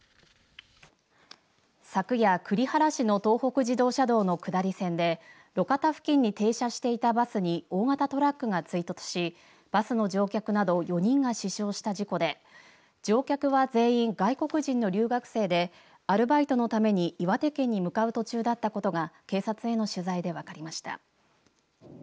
昨夜栗原市の東北自動車道の下り線で路肩付近に停車していたバスに大型トラックが追突しバスの乗客など４人が死傷した事故で乗客は全員外国人の留学生でアルバイトのために岩手県に向かう途中だったことが警察への取材で分かりました。